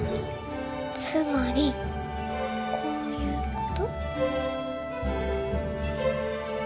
つまりこういうこと？